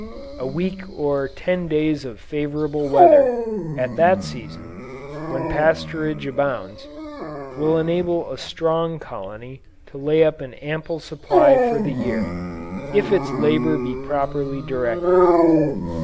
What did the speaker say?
A week or ten days of favorable weather, at that season, when pasturage abounds, will enable a strong colony to lay up an ample supply for the year, if its labor be properly directed.